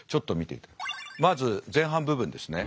まず前半部分ですね。